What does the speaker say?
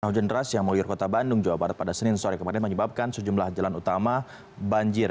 hujan deras yang melir kota bandung jawa barat pada senin sore kemarin menyebabkan sejumlah jalan utama banjir